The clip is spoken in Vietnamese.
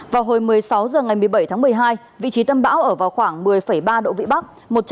vào hồi một mươi sáu h ngày một mươi bảy tháng một mươi hai vị trí tâm bão ở vào khoảng một mươi ba độ vĩ bắc